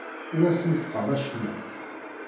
Ur asent-qqar acemma.